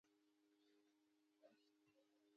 دوی له کارګرانو سره هم قراردادونه بندول